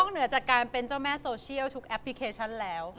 เหนือจากการเป็นเจ้าแม่โซเชียลทุกแอปพลิเคชันแล้ว